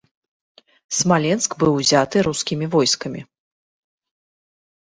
Смаленск быў узяты рускімі войскамі.